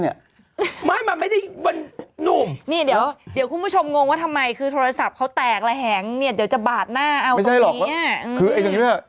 เอาอะไรพัดปัดนิดหนึ่งมันก็ดังแล้วนะ